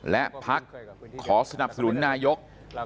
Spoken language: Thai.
และพักขอสนับสนุนนายก